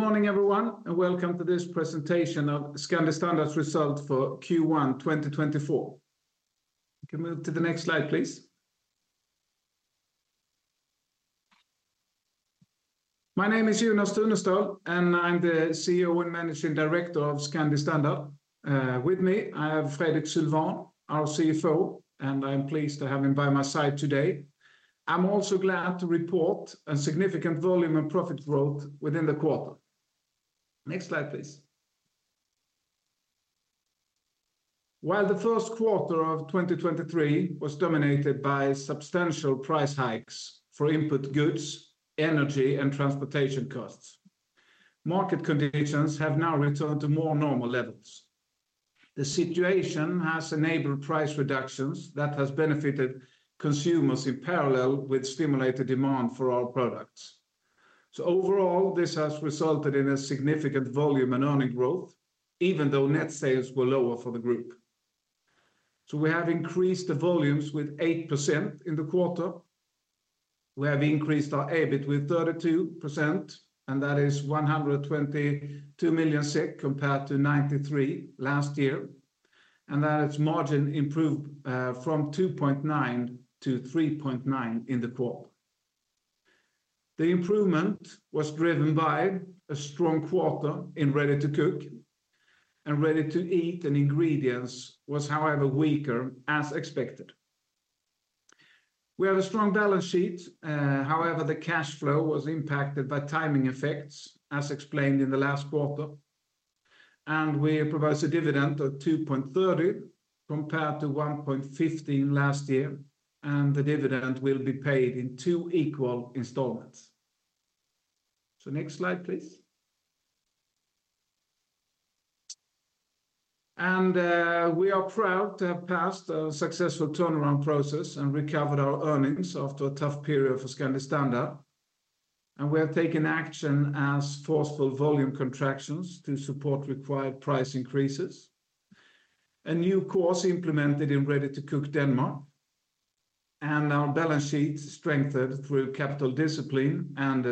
Good morning, everyone, and welcome to this presentation of Scandi Standard's result for Q1 2024. You can move to the next slide, please. My name is Jonas Tunestål, and I'm the CEO and Managing Director of Scandi Standard. With me, I have Fredrik Sylwan, our CFO, and I'm pleased to have him by my side today. I'm also glad to report a significant volume and profit growth within the quarter. Next slide, please. While the first quarter of 2023 was dominated by substantial price hikes for input goods, energy, and transportation costs, market conditions have now returned to more normal levels. The situation has enabled price reductions that has benefited consumers in parallel with stimulated demand for our products. So overall, this has resulted in a significant volume and earning growth, even though net sales were lower for the group. We have increased the volumes with 8% in the quarter. We have increased our EBIT with 32%, and that is 122 million compared to 93 million last year, and that its margin improved from 2.9% to 3.9% in the quarter. The improvement was driven by a strong quarter in Ready-to-Cook, and Ready-to-Eat and Ingredients was, however, weaker, as expected. We have a strong balance sheet, however, the cash flow was impacted by timing effects, as explained in the last quarter, and we propose a dividend of 2.30 compared to 1.50 last year, and the dividend will be paid in two equal installments. Next slide, please. We are proud to have passed a successful turnaround process and recovered our earnings after a tough period for Scandi Standard, and we have taken action as forceful volume contractions to support required price increases. A new course implemented in Ready-to-Cook Denmark, and our balance sheet strengthened through capital discipline and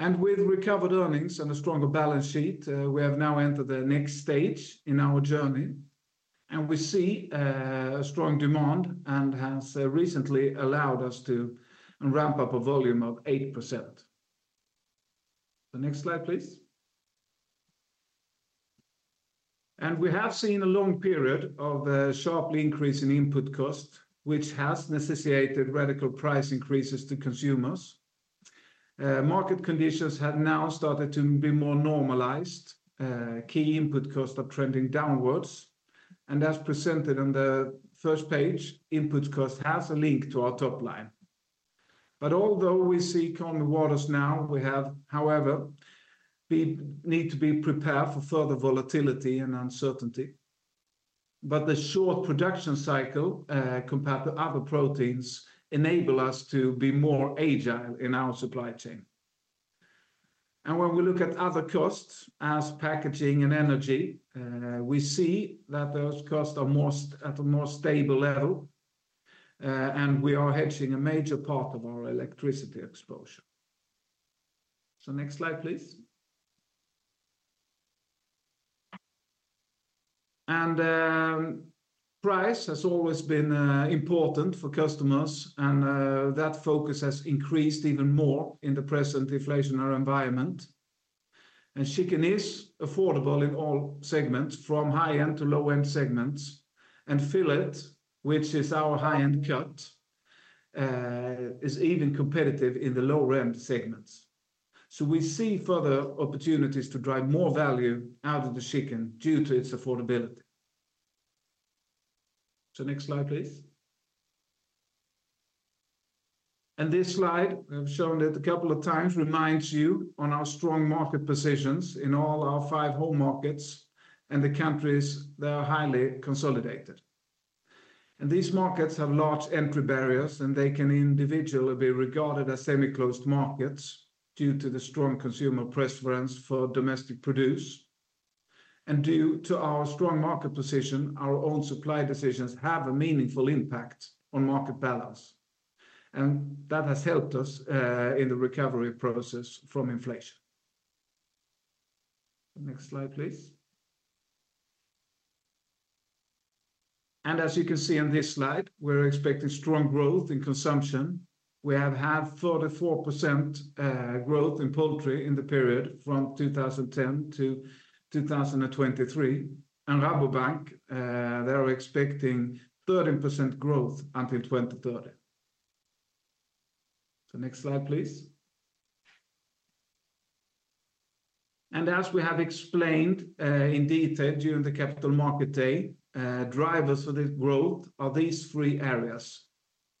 divestments. With recovered earnings and a stronger balance sheet, we have now entered the next stage in our journey, and we see a strong demand and has recently allowed us to ramp up a volume of 8%. The next slide, please. We have seen a long period of sharply increase in input cost, which has necessitated radical price increases to consumers. Market conditions have now started to be more normalized. Key input costs are trending downwards, and as presented on the first page, input cost has a link to our top line. Although we see calmer waters now, we have, however, we need to be prepared for further volatility and uncertainty. The short production cycle, compared to other proteins, enable us to be more agile in our supply chain. And when we look at other costs, as packaging and energy, we see that those costs are at a more stable level, and we are hedging a major part of our electricity exposure. Next slide, please. Price has always been important for customers, and that focus has increased even more in the present inflationary environment. Chicken is affordable in all segments, from high-end to low-end segments, and fillet, which is our high-end cut, is even competitive in the lower-end segments. We see further opportunities to drive more value out of the chicken due to its affordability. Next slide, please. This slide, I've shown it a couple of times, reminds you on our strong market positions in all our five home markets and the countries that are highly consolidated. These markets have large entry barriers, and they can individually be regarded as semi-closed markets due to the strong consumer preference for domestic produce. Due to our strong market position, our own supply decisions have a meaningful impact on market balance, and that has helped us in the recovery process from inflation. Next slide, please. As you can see on this slide, we're expecting strong growth in consumption. We have had 34% growth in poultry in the period from 2010 to 2023, and Rabobank they are expecting 13% growth until 2030. Next slide, please. As we have explained in detail during the Capital Market Day, drivers for this growth are these three areas.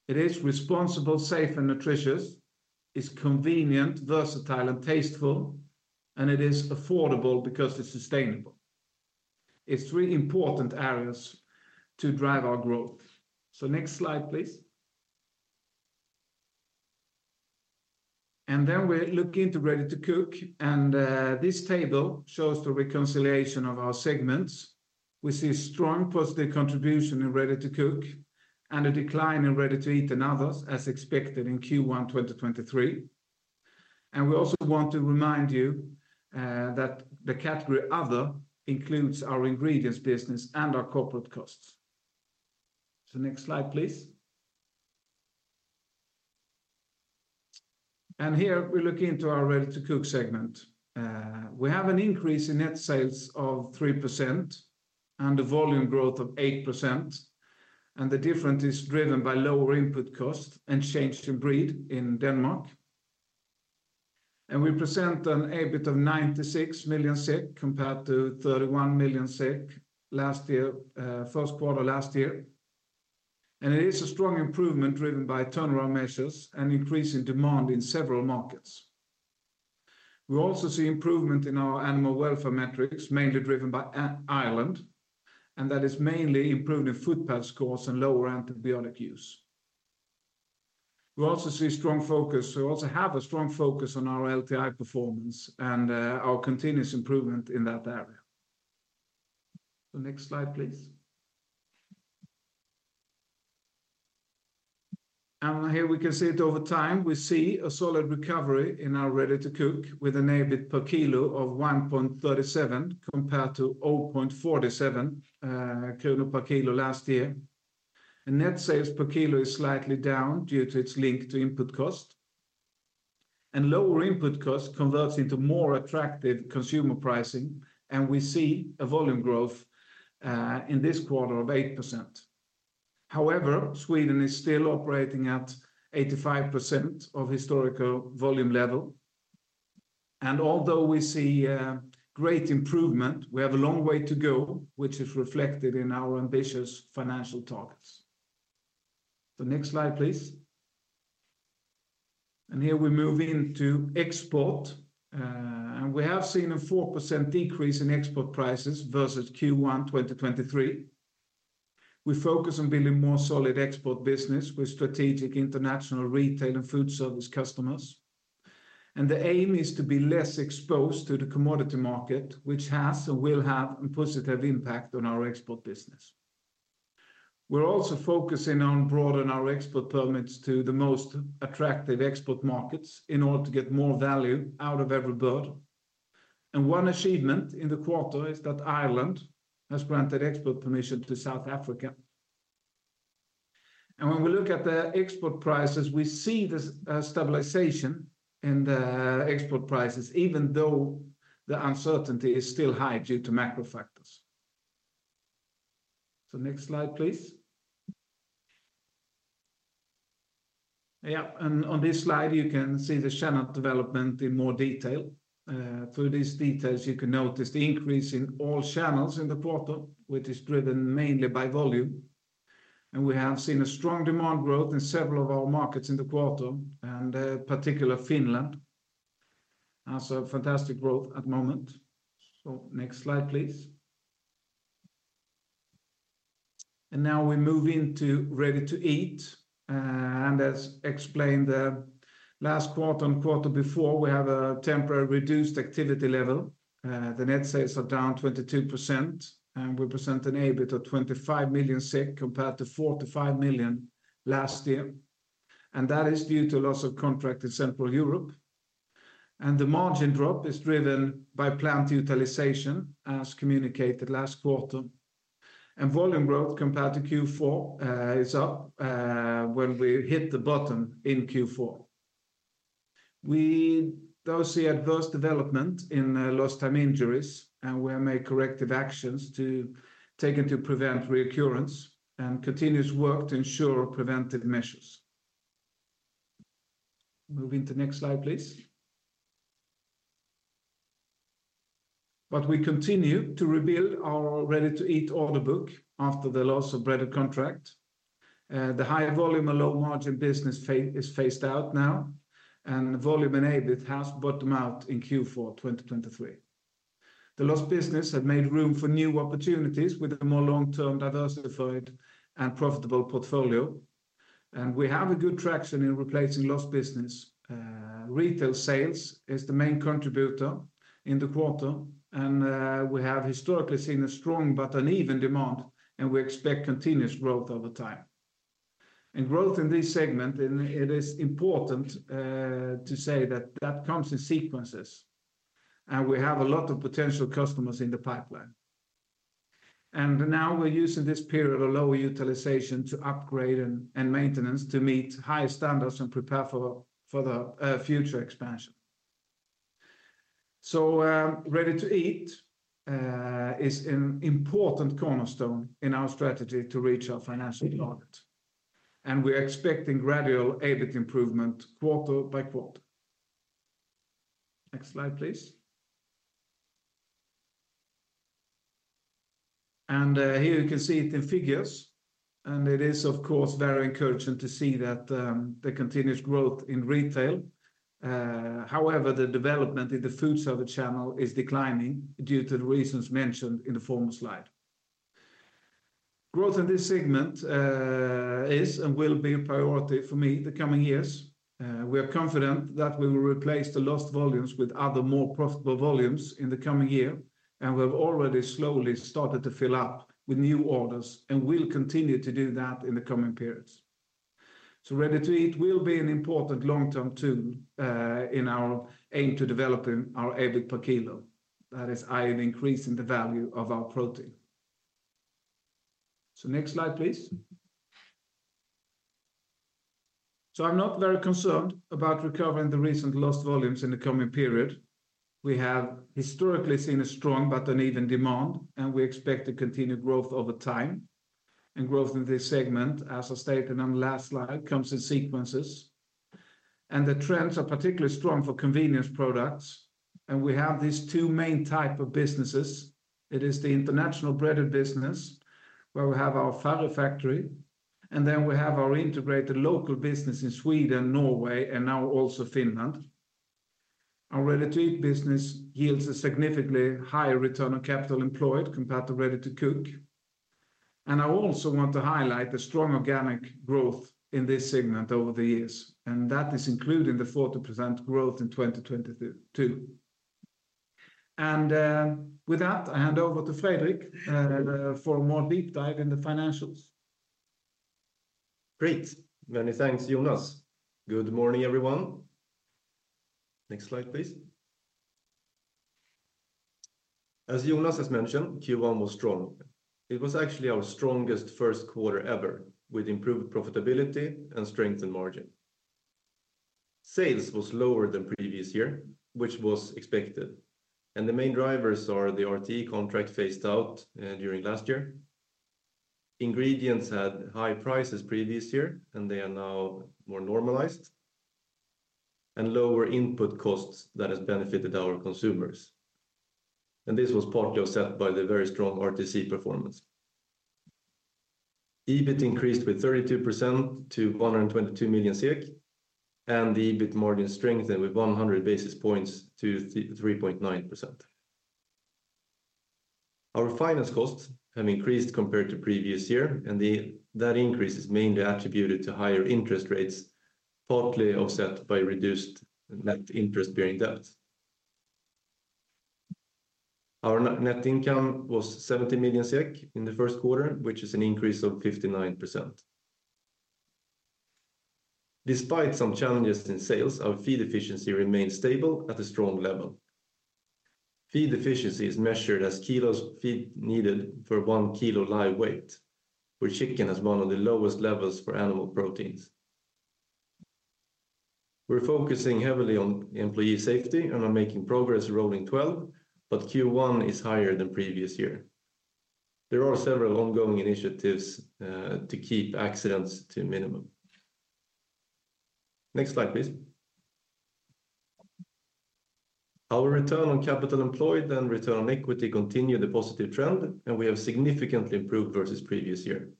It is responsible, safe, and nutritious, it's convenient, versatile, and tasteful, and it is affordable because it's sustainable. It's three important areas to drive our growth. Next slide, please. Then we're looking to Ready-to-Cook, and this table shows the reconciliation of our segments. We see strong positive contribution in Ready-to-Cook and a decline in Ready-to-Eat and others, as expected in Q1 2023. We also want to remind you that the category Other includes our ingredients business and our corporate costs. Next slide, please. Here we're looking into our Ready-to-Cook segment. We have an increase in net sales of 3% and a volume growth of 8%, and the difference is driven by lower input costs and change in breed in Denmark. We present an EBIT of 96 million SEK, compared to 31 million SEK last year, first quarter last year. It is a strong improvement, driven by turnaround measures and increase in demand in several markets. We also see improvement in our animal welfare metrics, mainly driven by Ireland, and that is mainly improvement in Footpad scores and lower antibiotic use. We also have a strong focus on our LTI performance and our continuous improvement in that area. The next slide, please. Here we can see it over time. We see a solid recovery in our Ready-to-Cook, with an EBIT per kilo of 1.37, compared to 0.47 krona per kilo last year. Net sales per kilo is slightly down due to its link to input cost. Lower input cost converts into more attractive consumer pricing, and we see a volume growth in this quarter of 8%. However, Sweden is still operating at 85% of historical volume level. Although we see a great improvement, we have a long way to go, which is reflected in our ambitious financial targets. The next slide, please. Here we move into export. We have seen a 4% decrease in export prices versus Q1, 2023. We focus on building more solid export business with strategic international retail and food service customers. The aim is to be less exposed to the commodity market, which has and will have a positive impact on our export business. We're also focusing on broaden our export permits to the most attractive export markets in order to get more value out of every bird. One achievement in the quarter is that Ireland has granted export permission to South Africa. When we look at the export prices, we see this stabilization in the export prices, even though the uncertainty is still high due to macro factors. Next slide, please. Yeah, on this slide, you can see the channel development in more detail. Through these details, you can notice the increase in all channels in the quarter, which is driven mainly by volume. We have seen a strong demand growth in several of our markets in the quarter, and in particular, Finland has a fantastic growth at the moment. Next slide, please. Now we move into Ready-to-Eat. As explained the last quarter and quarter before, we have a temporary reduced activity level. The net sales are down 22%, and we present an EBIT of 25 million, compared to 45 million last year, and that is due to loss of contract in Central Europe. And the margin drop is driven by plant utilization, as communicated last quarter. Volume growth compared to Q4 is up when we hit the bottom in Q4. We do see adverse development in lost time injuries, and we have made corrective actions taken to prevent reoccurrence and continuous work to ensure preventive measures. Move into next slide, please. We continue to rebuild our Ready-to-Eat order book after the loss of breaded contract. The higher volume and low margin business is phased out now, and volume and EBIT has bottomed out in Q4, 2023. The lost business have made room for new opportunities with a more long-term, diversified, and profitable portfolio, and we have a good traction in replacing lost business. Retail sales is the main contributor in the quarter, and we have historically seen a strong but uneven demand, and we expect continuous growth over time. Growth in this segment, and it is important to say that that comes in sequences, and we have a lot of potential customers in the pipeline. Now we're using this period of lower utilization to upgrade and maintenance to meet higher standards and prepare for the future expansion. So, Ready-to-Eat is an important cornerstone in our strategy to reach our financial target, and we're expecting gradual EBIT improvement quarter-by-quarter. Next slide, please. Here you can see it in figures, and it is, of course, very encouraging to see that the continuous growth in retail. However, the development in the food service channel is declining due to the reasons mentioned in the former slide. Growth in this segment is and will be a priority for me in the coming years. We are confident that we will replace the lost volumes with other more profitable volumes in the coming year. We've already slowly started to fill up with new orders, and we'll continue to do that in the coming periods. Ready-to-Eat will be an important long-term tool in our aim to developing our EBIT per kilo. That is, i.e., increasing the value of our protein. Next slide, please. I'm not very concerned about recovering the recent lost volumes in the coming period. We have historically seen a strong but uneven demand, and we expect to continue growth over time. Growth in this segment, as I stated on the last slide, comes in sequences, and the trends are particularly strong for convenience products. We have these two main type of businesses. It is the international breaded business, where we have our Farre factory, and then we have our integrated local business in Sweden, Norway, and now also Finland. Our ready-to-eat business yields a significantly higher return on capital employed compared to Ready-to-Cook. I also want to highlight the strong organic growth in this segment over the years, and that is including the 40% growth in 2023. With that, I hand over to Fredrik for a more deep dive in the financials. Great. Many thanks, Jonas. Good morning, everyone. Next slide, please. As Jonas has mentioned, Q1 was strong. It was actually our strongest first quarter ever, with improved profitability and strength in margin. Sales was lower than previous year, which was expected, and the main drivers are the RTE contract phased out during last year. Ingredients had high prices previous year, and they are now more normalized, and lower input costs that has benefited our consumers. This was partly offset by the very strong RTC performance. EBIT increased with 32% to 122 million, and the EBIT margin strengthened with 100 basis points to 3.9%. Our finance costs have increased compared to previous year, and that increase is mainly attributed to higher interest rates, partly offset by reduced net interest-bearing debt. Our net net income was 70 million SEK in the first quarter, which is an increase of 59%. Despite some challenges in sales, our feed efficiency remains stable at a strong level. Feed efficiency is measured as kilos of feed needed per 1 kilo live weight, where chicken has one of the lowest levels for animal proteins. We're focusing heavily on employee safety and are making progress rolling 12, but Q1 is higher than previous year. There are several ongoing initiatives to keep accidents to a minimum. Next slide, please. Our return on capital employed and return on equity continue the positive trend, and we have significantly improved versus previous year.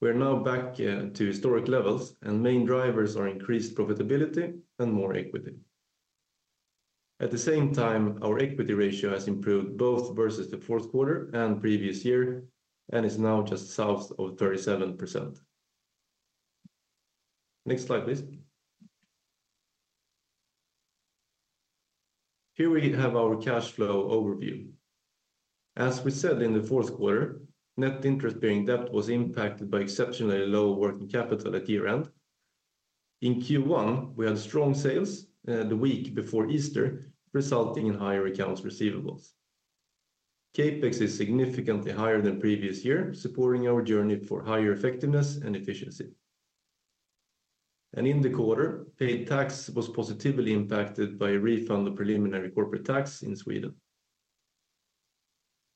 We are now back to historic levels, and main drivers are increased profitability and more equity. At the same time, our equity ratio has improved both versus the fourth quarter and previous year and is now just south of 37%. Next slide, please. Here we have our cash flow overview. As we said in the fourth quarter, net interest-bearing debt was impacted by exceptionally low working capital at year-end. In Q1, we had strong sales the week before Easter, resulting in higher accounts receivables. CapEx is significantly higher than previous year, supporting our journey for higher effectiveness and efficiency. In the quarter, paid tax was positively impacted by a refund of preliminary corporate tax in Sweden.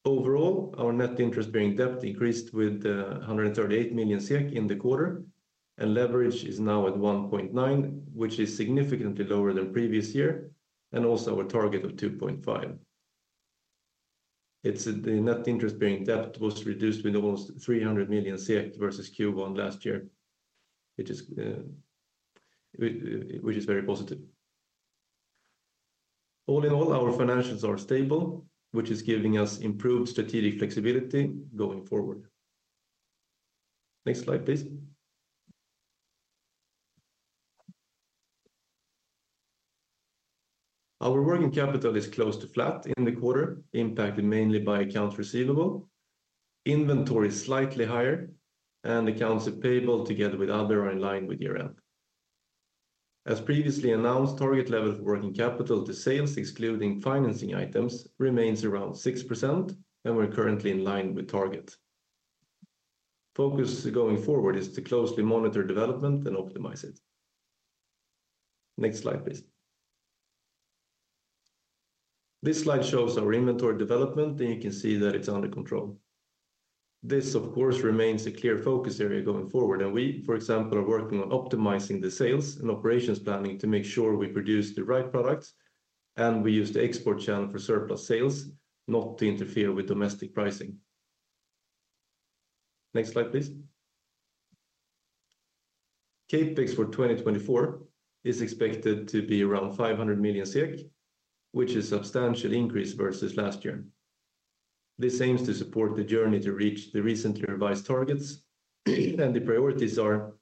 Overall, our net interest-bearing debt increased with 138 million in the quarter, and leverage is now at 1.9, which is significantly lower than previous year, and also our target of 2.5. It's the net interest-bearing debt was reduced with almost 300 million versus Q1 last year, which is very positive. All in all, our financials are stable, which is giving us improved strategic flexibility going forward. Next slide, please. Our working capital is close to flat in the quarter, impacted mainly by accounts receivable. Inventory is slightly higher, and accounts payable, together with other, are in line with year-end. As previously announced, target level of working capital to sales, excluding financing items, remains around 6%, and we're currently in line with target. Focus going forward is to closely monitor development and optimize it. Next slide, please. This slide shows our inventory development, and you can see that it's under control. This, of course, remains a clear focus area going forward, and we, for example, are working on optimizing the sales and operations planning to make sure we produce the right products and we use the export channel for surplus sales, not to interfere with domestic pricing. Next slide, please. CapEx for 2024 is expected to be around 500 million, which is a substantial increase versus last year. This aims to support the journey to reach the recently revised targets, and the priorities are.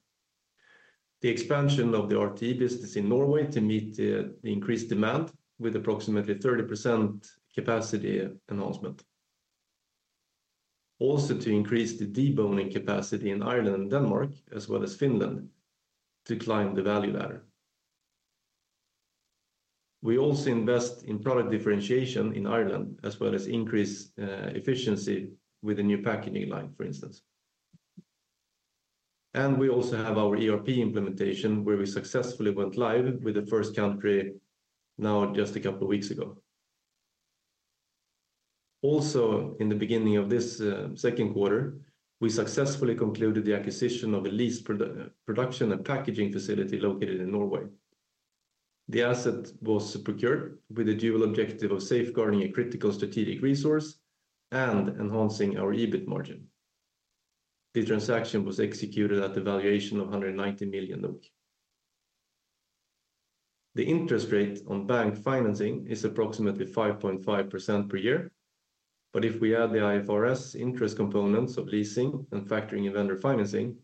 The expansion of the RTE business in Norway to meet the increased demand with approximately 30% capacity enhancement. Also, to increase the deboning capacity in Ireland and Denmark, as well as Finland, to climb the value ladder. We also invest in product differentiation in Ireland, as well as increase efficiency with a new packaging line, for instance. We also have our ERP implementation, where we successfully went live with the first country now just a couple of weeks ago. Also, in the beginning of this second quarter, we successfully concluded the acquisition of a lease production and packaging facility located in Norway. The asset was procured with a dual objective of safeguarding a critical strategic resource and enhancing our EBIT margin. The transaction was executed at the valuation of 190 million. The interest rate on bank financing is approximately 5.5% per year, but if we add the IFRS interest components of leasing and factoring in vendor financing,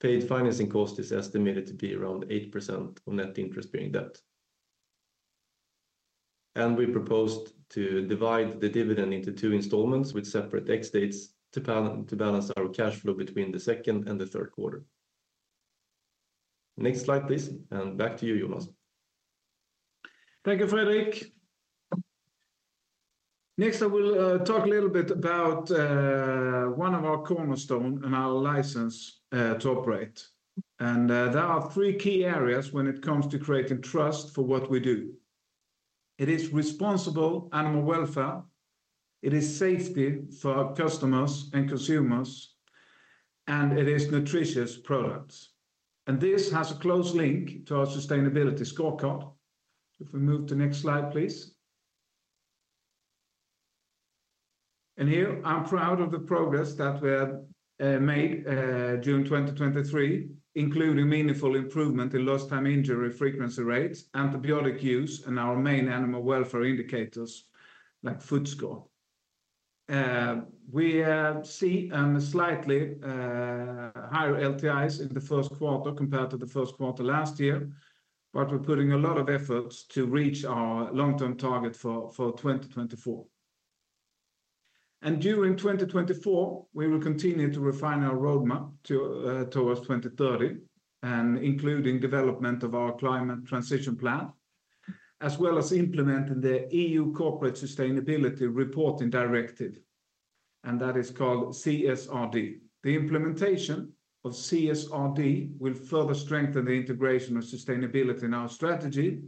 paid financing cost is estimated to be around 8% of net interest-bearing debt. We proposed to divide the dividend into two installments with separate ex-dates to balance our cash flow between the second and the third quarter. Next slide, please, and back to you, Jonas. Thank you, Fredrik. Next, I will talk a little bit about one of our cornerstone and our license to operate. There are three key areas when it comes to creating trust for what we do. It is responsible animal welfare, it is safety for our customers and consumers, and it is nutritious products. This has a close link to our sustainability scorecard. If we move to next slide, please. Here, I'm proud of the progress that we have made June 2023, including meaningful improvement in lost time injury frequency rates, antibiotic use, and our main animal welfare indicators, like footpad score. We see slightly higher LTIs in the first quarter compared to the first quarter last year, but we're putting a lot of efforts to reach our long-term target for 2024. During 2024, we will continue to refine our roadmap to towards 2030, and including development of our climate transition plan, as well as implementing the EU Corporate Sustainability Reporting Directive, and that is called CSRD. The implementation of CSRD will further strengthen the integration of sustainability in our strategy,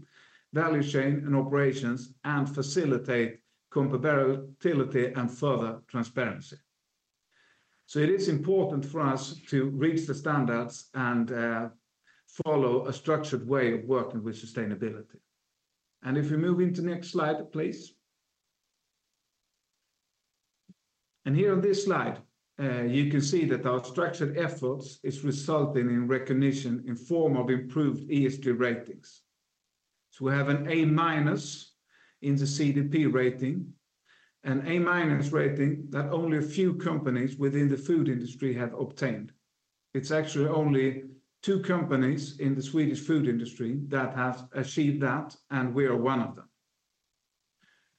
value chain, and operations, and facilitate comparability and further transparency. It is important for us to reach the standards and follow a structured way of working with sustainability. If we move into next slide, please. Here on this slide, you can see that our structured efforts is resulting in recognition in form of improved ESG ratings. So we have an A-minus in the CDP rating, an A-minus rating that only a few companies within the food industry have obtained. It's actually only two companies in the Swedish food industry that have achieved that, and we are one of them.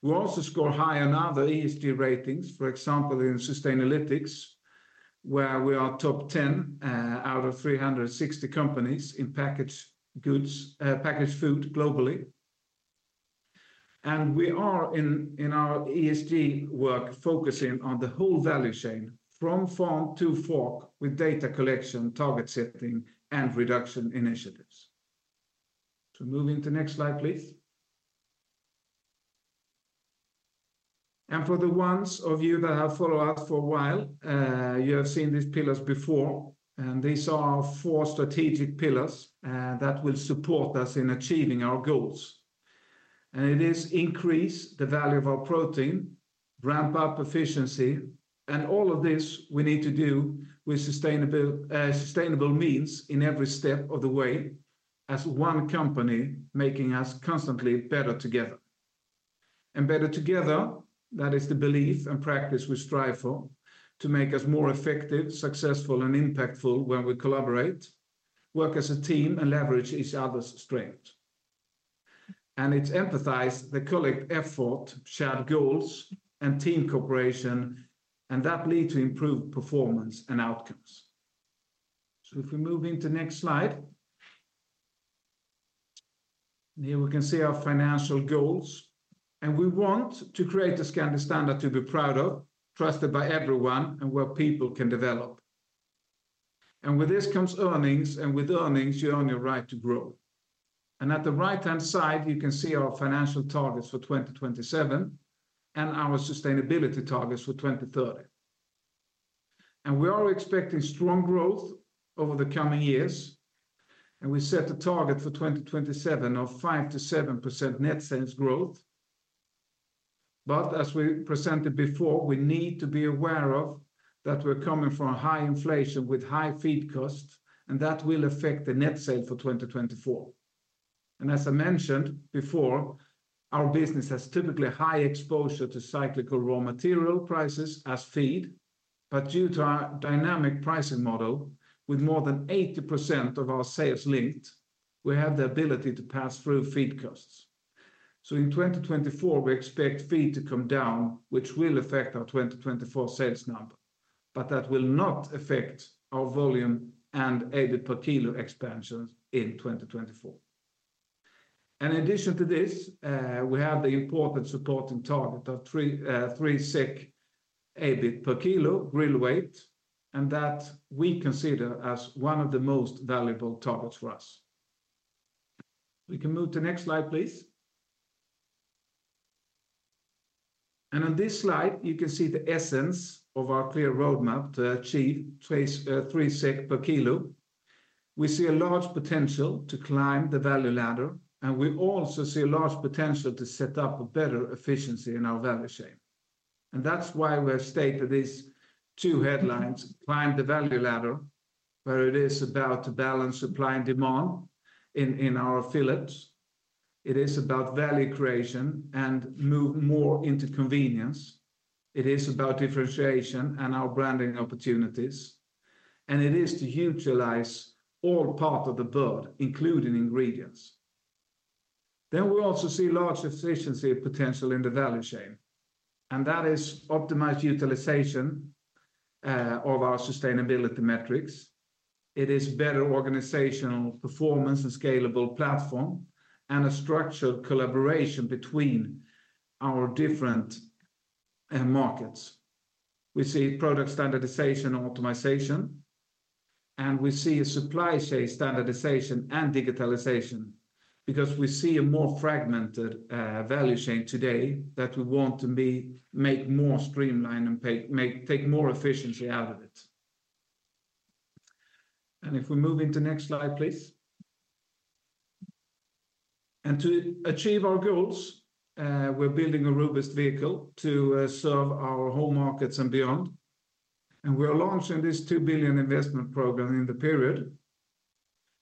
We also score high on other ESG ratings, for example, in Sustainalytics, where we are top 10 out of 360 companies in packaged goods, packaged food globally. We are in, in our ESG work, focusing on the whole value chain, from farm to fork, with data collection, target setting, and reduction initiatives. Moving to next slide, please. For the ones of you that have followed us for a while, you have seen these pillars before, and these are our four strategic pillars that will support us in achieving our goals. It is to increase the value of our protein, ramp up efficiency, and all of this we need to do with sustainable, sustainable means in every step of the way, as one company, making us constantly better together. Better together, that is the belief and practice we strive for to make us more effective, successful, and impactful when we collaborate, work as a team, and leverage each other's strengths. It emphasizes the collective effort, shared goals, and team cooperation, and that leads to improved performance and outcomes. If we move into next slide. Here we can see our financial goals, and we want to create a Scandi Standard to be proud of, trusted by everyone, and where people can develop. With this comes earnings, and with earnings, you earn your right to grow. At the right-hand side, you can see our financial targets for 2027 and our sustainability targets for 2030. We are expecting strong growth over the coming years, and we set a target for 2027 of 5%-7% net sales growth. As we presented before, we need to be aware of that we're coming from a high inflation with high feed costs, and that will affect the net sales for 2024. As I mentioned before, our business has typically high exposure to cyclical raw material prices as feed. But due to our dynamic pricing model, with more than 80% of our sales linked, we have the ability to pass through feed costs. In 2024, we expect feed to come down, which will affect our 2024 sales number, but that will not affect our volume and EBIT per kilo expansion in 2024. In addition to this, we have the important supporting target of three, 3 EBIT per kilo grill weight, and that we consider as one of the most valuable targets for us. We can move to next slide, please. On this slide, you can see the essence of our clear roadmap to achieve that 3 SEK per kilo. We see a large potential to climb the value ladder, and we also see a large potential to set up a better efficiency in our value chain. That's why we have stated these two headlines: climb the value ladder, where it is about to balance supply and demand in our fillets. It is about value creation and move more into convenience. It is about differentiation and our branding opportunities, and it is to utilize all part of the bird, including ingredients. Then we also see large efficiency potential in the value chain, and that is optimized utilization of our sustainability metrics. It is better organizational performance and scalable platform, and a structured collaboration between our different markets. We see product standardization and optimization, and we see a supply chain standardization and digitalization because we see a more fragmented value chain today that we want to make more streamlined and take more efficiency out of it. If we move into next slide, please. To achieve our goals, we're building a robust vehicle to serve our home markets and beyond. We are launching this 2 billion investment program in the period.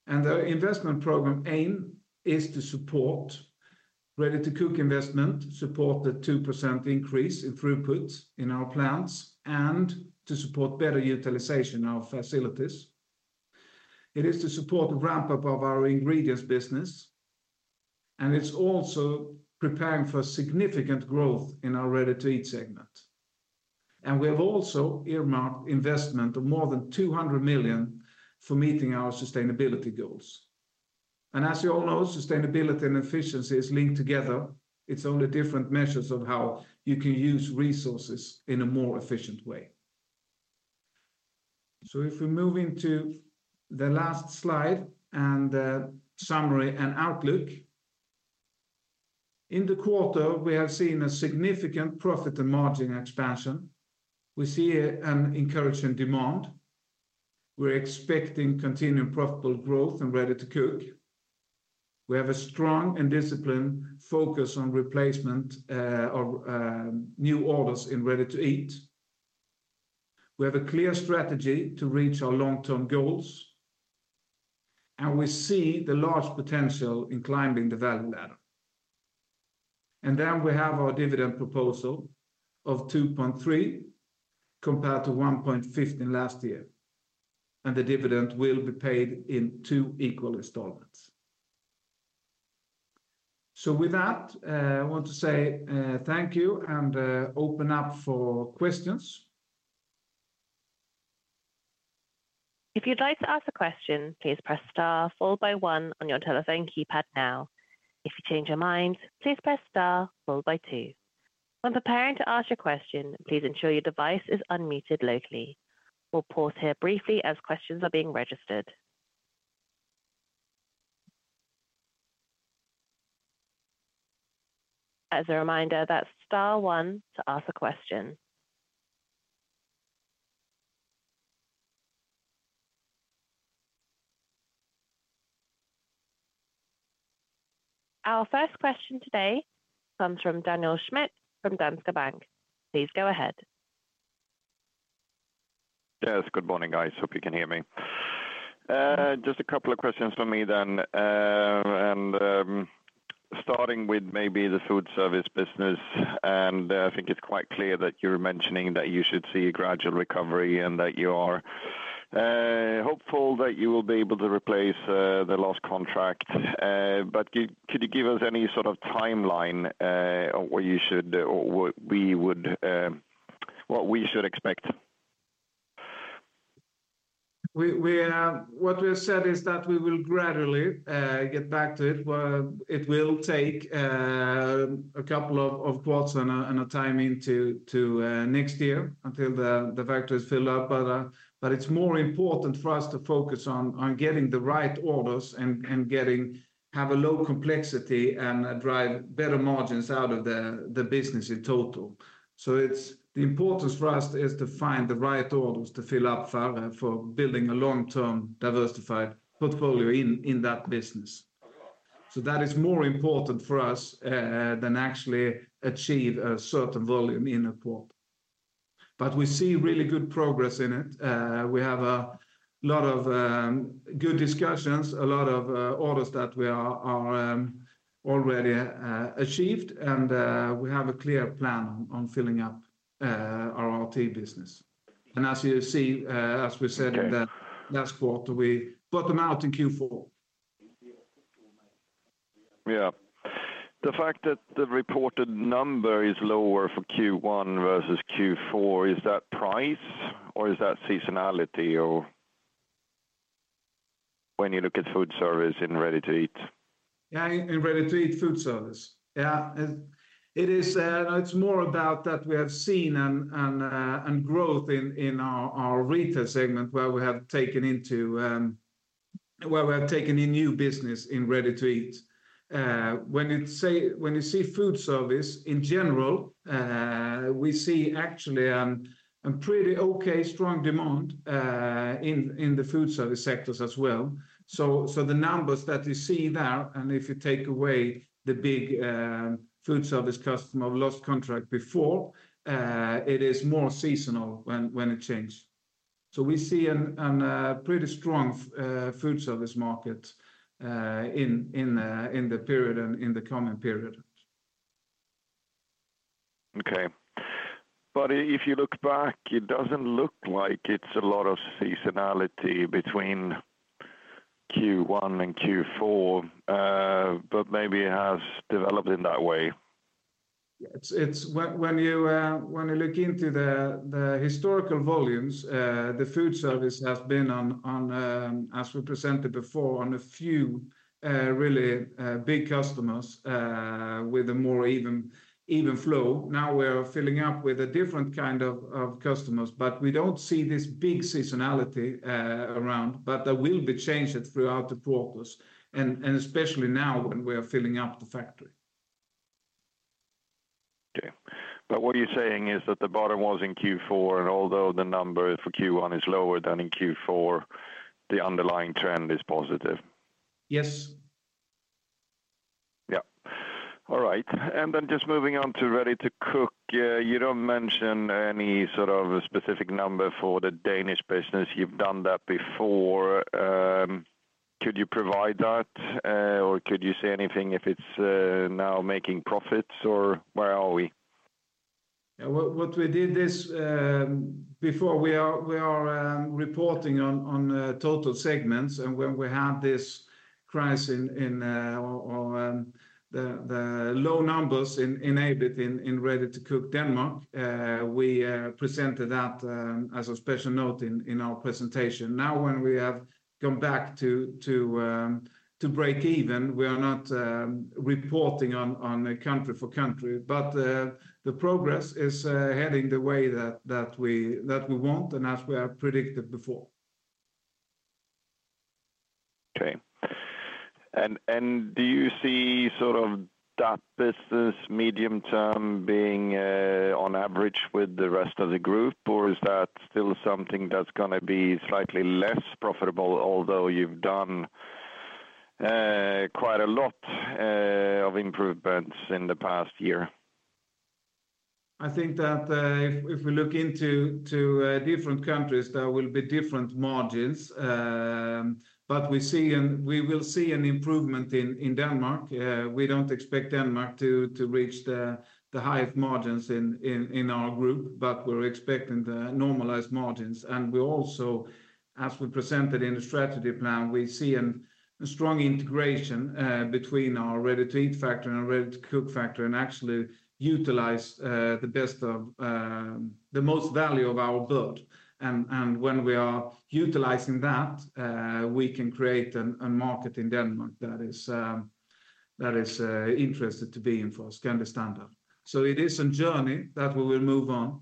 The investment program aim is to support Ready-to-Cook investment, support the 2% increase in throughput in our plants, and to support better utilization of facilities. It is to support the ramp-up of our ingredients business, and it's also preparing for significant growth in our Ready-to-Eat segment. We have also earmarked investment of more than 200 million for meeting our sustainability goals. As you all know, sustainability and efficiency is linked together. It's only different measures of how you can use resources in a more efficient way. If we move into the last slide, and summary and outlook. In the quarter, we have seen a significant profit and margin expansion. We see encouraging demand. We're expecting continued profitable growth in Ready-to-Cook. We have a strong and disciplined focus on replacement, or, new orders in Ready-to-Eat. We have a clear strategy to reach our long-term goals, and we see the large potential in climbing the value ladder. Then we have our dividend proposal of 2.3, compared to 1.50 last year, and the dividend will be paid in two equal installments. So with that, I want to say, thank you and open up for questions. If you'd like to ask a question, please press star followed by one on your telephone keypad now. If you change your mind, please press star followed by two. When preparing to ask your question, please ensure your device is unmuted locally. We'll pause here briefly as questions are being registered. As a reminder, that's star one to ask a question. Our first question today comes from Daniel Schmidt from Danske Bank. Please go ahead. Yes, good morning, guys. Hope you can hear me. Just a couple of questions from me then. And, starting with maybe the food service business, and I think it's quite clear that you're mentioning that you should see a gradual recovery and that you are, hopeful that you will be able to replace, the lost contract. Could you give us any sort of timeline, on where you should or what we would, what we should expect? What we have said is that we will gradually get back to it, where it will take a couple of quarters and a timing to next year until the factory is filled up. It's more important for us to focus on getting the right orders and getting have a low complexity and drive better margins out of the business in total. It's the importance for us is to find the right orders to fill up for building a long-term, diversified portfolio in that business. That is more important for us than actually achieve a certain volume in a quarter, but we see really good progress in it. We have a lot of good discussions, a lot of orders that we are already achieved, and we have a clear plan on filling up our RT business. As you see, as we said in the. Okay. Last quarter, we bottom out in Q4. Yeah. The fact that the reported number is lower for Q1 versus Q4, is that price or is that seasonality or? When you look at food service in Ready-to-Eat. Yeah, in Ready-to-Eat food service. Yeah, it is, it's more about that we have seen and growth in our retail segment where we have taken in new business in Ready-to-Eat. When you see food service, in general, we see actually a pretty okay strong demand in the food service sectors as well. The numbers that you see there, and if you take away the big food service customer lost contract before, it is more seasonal when it changed. We see a pretty strong food service market in the period and in the coming period. Okay. But if you look back, it doesn't look like it's a lot of seasonality between Q1 and Q4, but maybe it has developed in that way. It's, when you look into the historical volumes, the food service has been, as we presented before, on a few really big customers, with a more even flow. Now, we're filling up with a different kind of customers, but we don't see this big seasonality around, but there will be changes throughout the quarters, and especially now when we are filling up the factory. Okay. But what you're saying is that the bottom was in Q4, and although the number for Q1 is lower than in Q4, the underlying trend is positive? Yes. Yeah. All right. Then just moving on to Ready-to-Cook, you don't mention any sort of a specific number for the Danish business. You've done that before. Could you provide that, or could you say anything if it's now making profits, or where are we? Yeah. What we did is, before we are reporting on total segments, and when we had this crisis, or the low numbers in EBIT in Ready-to-Cook Denmark, we presented that as a special note in our presentation. Now, when we have gone back to break even, we are not reporting on a country for country. But the progress is heading the way that we want and as we have predicted before. Okay. Do you see sort of that business medium term being on average with the rest of the group, or is that still something that's gonna be slightly less profitable, although you've done quite a lot of improvements in the past year? I think that, if we look into different countries, there will be different margins. We see, and we will see an improvement in Denmark. We don't expect Denmark to reach the high margins in our group, but we're expecting the normalized margins. We also, as we presented in the strategy plan, we see a strong integration between our Ready-to-Eat factory and our Ready-to-Cook factory, and actually utilize the best of the most value of our bird. When we are utilizing that, we can create a market in Denmark that is interested to be in for Scandi Standard. It is a journey that we will move on.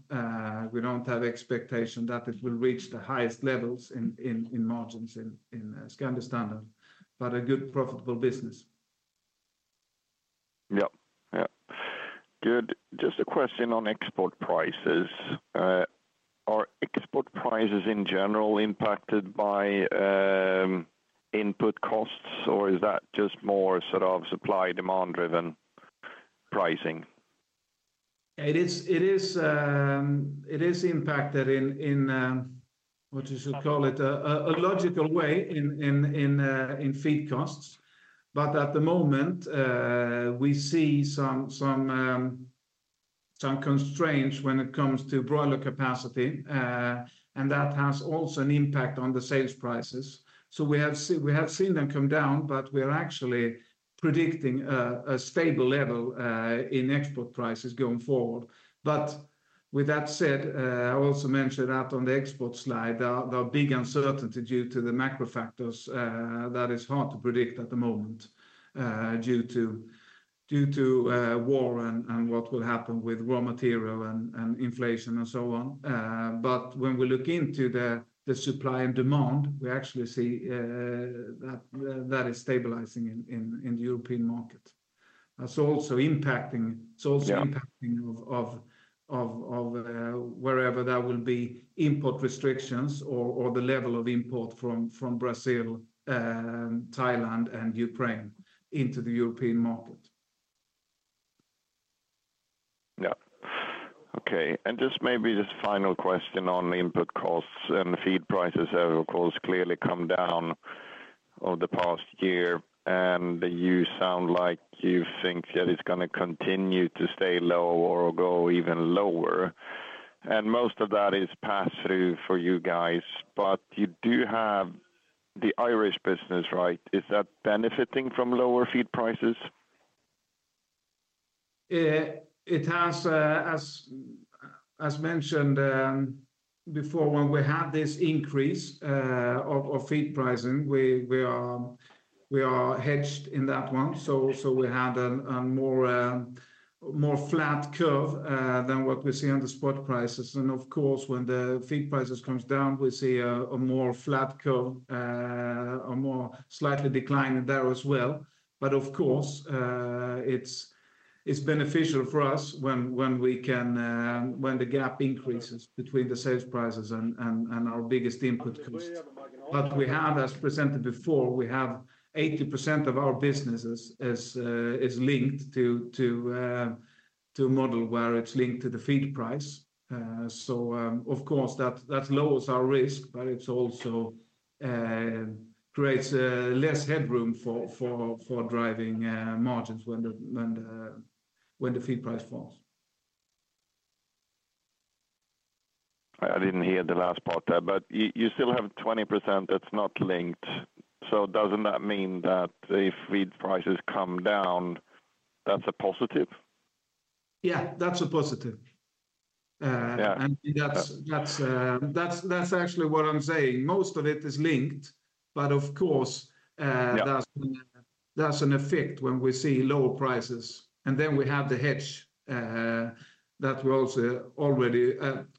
We don't have expectation that it will reach the highest levels in margins in Scandi Standard, but a good profitable business. Yeah. Yeah. Good. Just a question on export prices. Are export prices in general impacted by input costs, or is that just more sort of supply-demand driven pricing? It is impacted in what you should call it. A logical way in feed costs. But at the moment, we see some constraints when it comes to broiler capacity, and that has also an impact on the sales prices. We have seen them come down, but we are actually predicting a stable level in export prices going forward. With that said, I also mentioned that on the export slide, there are big uncertainty due to the macro factors that is hard to predict at the moment, due to war and what will happen with raw material and inflation and so on. But when we look into the supply and demand, we actually see that is stabilizing in the European market. That's also impacting. Yeah. It's also impacting wherever there will be import restrictions or the level of import from Brazil, Thailand, and Ukraine into the European market. Yeah. Okay, and just maybe just final question on the input costs and the feed prices have, of course, clearly come down over the past year, and you sound like you think that it's gonna continue to stay low or go even lower. And most of that is pass-through for you guys, but you do have the Irish business, right? Is that benefiting from lower feed prices? It has, as mentioned, before, when we had this increase of feed pricing, we are hedged in that one. We had a more flat curve than what we see on the spot prices. And of course, when the feed prices comes down, we see a more flat curve, a more slightly decline in there as well. But of course, it's beneficial for us when we can when the gap increases between the sales prices and and our biggest input costs. But we have, as presented before, we have 80% of our businesses is linked to a model where it's linked to the feed price. Of course, that lowers our risk, but it's also creates less headroom for driving margins when the feed price falls. I didn't hear the last part there, but you, you still have 20% that's not linked. So doesn't that mean that if feed prices come down, that's a positive? Yeah, that's a positive. Yeah. That's actually what I'm saying. Most of it is linked, but of course. Yeah. There's an effect when we see lower prices, and then we have the hedge that we're also already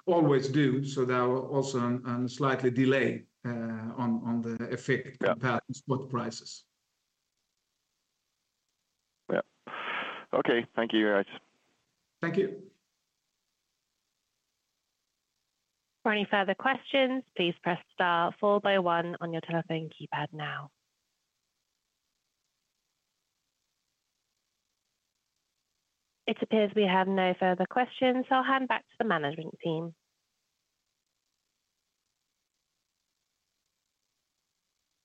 always do. So there are also an slightly delay on the effect. Yeah. Compared to spot prices. Yeah. Okay. Thank you, guys. Thank you. For any further questions, please press star followed by one on your telephone keypad now. It appears we have no further questions, so I'll hand back to the management team.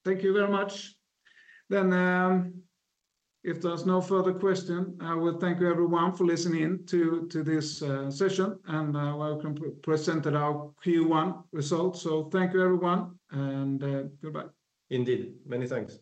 Thank you very much. Then, if there's no further question, I will thank you everyone for listening in to this session, and welcome to presented our Q1 results. So thank you, everyone, and goodbye. Indeed. Many thanks.